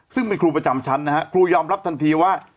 ซึ่งเป็นครูประจำชั้นนะฮะครูยอมรับทันทีว่า